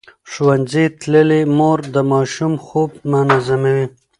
ښوونځې تللې مور د ماشوم خوب منظموي.